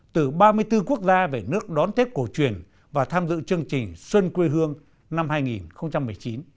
từ ba mươi bốn quốc gia về nước đón tết cổ truyền và tham dự chương trình xuân quê hương năm hai nghìn một mươi chín